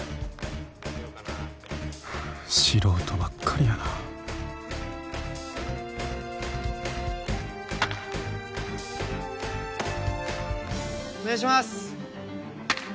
素人ばっかりやなお願いします